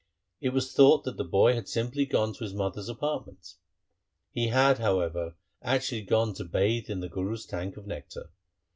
It was thought that the boy had simply gone to his mother's apart ments. He had, however, actually gone to bathe in the Guru's tank of nectar.